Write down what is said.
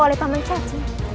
oleh paman caci